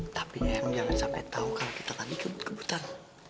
tapi yang jangan sampai tahu kalau kita tadi kebut kebutan